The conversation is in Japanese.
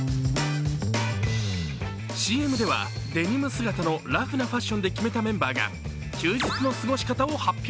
ＣＭではデニム姿のラフな姿で決めたメンバーが休日の過ごし方を発表。